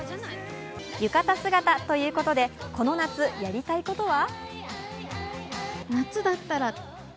浴衣姿ということでこの夏やりたいことは？